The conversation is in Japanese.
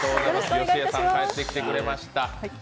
よしえさん、帰ってきてくれました